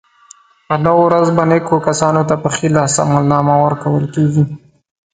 په لو ورځ به نېکو کسانو ته په ښي لاس عملنامه ورکول کېږي.